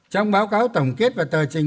trong báo cáo tổng kết và tờ trình